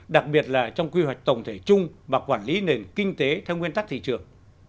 đặc biệt là trong quy hoạch tổng thể chung và quản lý nền kinh tế theo nguyên tắc thị trường